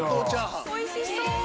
おいしそう！